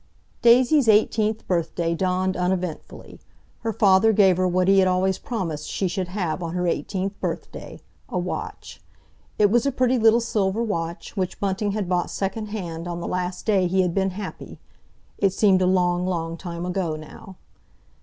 Daisy's eighteenth birthday dawned uneventfully. Her father gave her what he had always promised she should have on her eighteenth birthday—a watch. It was a pretty little silver watch, which Bunting had bought secondhand on the last day he had been happy—it seemed a long, long time ago now.